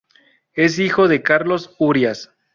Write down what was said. Es hijo de Carlos Urías.